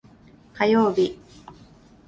火曜日